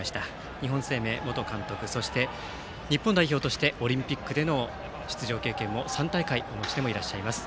日本生命元監督そして日本代表としてオリンピックでの出場経験も３大会お持ちでもあります。